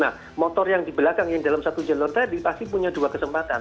nah motor yang di belakang yang dalam satu jalur tadi pasti punya dua kesempatan